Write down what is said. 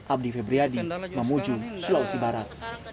abdi febriyadi mamuju sulawesi barat